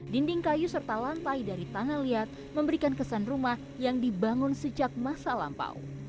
dinding kayu serta lantai dari tanah liat memberikan kesan rumah yang dibangun sejak masa lampau